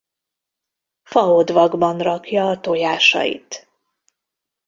Faodvakban rakja a tojásait.